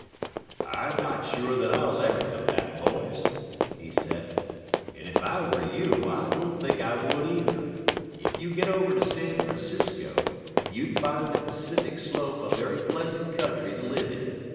'I'm not sure that I'll ever come back, boys,' he said, 'and if I were you I don't think I would either. If you get over to San Francisco you'd find the Pacific Slope a very pleasant country to live in.